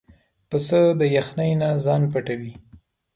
پسه د یخنۍ نه ځان پټوي.